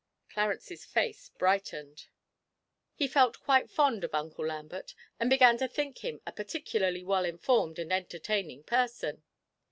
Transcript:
Clarence's face brightened; he felt quite fond of Uncle Lambert, and began to think him a particularly well informed and entertaining person.